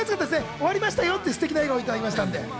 終わりましたよっていうステキな笑顔をいただきました。